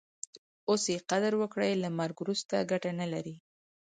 اوس ئې قدر وکړئ! له مرګ وروسته ګټه نه لري.